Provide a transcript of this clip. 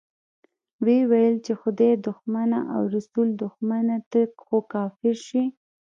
ويې ويل چې خدای دښمنه او رسول دښمنه، ته خو کافر شوې.